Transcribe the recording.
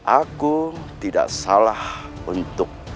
aku tidak salah untuk